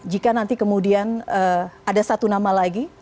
jika nanti kemudian ada satu nama lagi